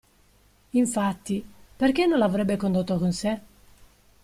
Infatti, perché non l'avrebbe condotto con sé?